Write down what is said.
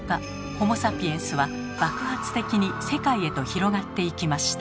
ホモ・サピエンスは爆発的に世界へと広がっていきました。